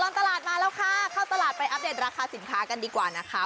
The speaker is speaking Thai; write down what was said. ตลาดมาแล้วค่ะเข้าตลาดไปอัปเดตราคาสินค้ากันดีกว่านะคะ